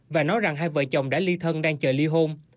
và nói rằng hai vợ chồng đã ly thân đang chờ ly hôn